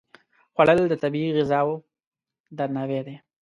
خوړل د طبیعي غذاو درناوی دی